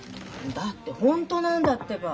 だってホントなんだってば。